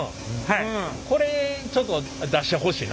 これちょっと出してほしいな。